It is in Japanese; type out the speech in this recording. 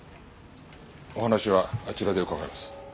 お話はあちらで伺います。